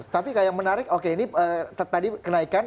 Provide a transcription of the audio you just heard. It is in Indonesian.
tapi yang menarik oke ini tadi kenaikan